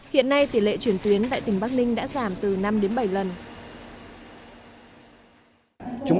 hiện nay tỷ lệ chuyển tuyến tại tỉnh bắc ninh đã giảm từ năm đến bảy lần